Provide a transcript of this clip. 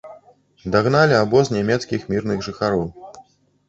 Дагналі абоз нямецкіх мірных жыхароў.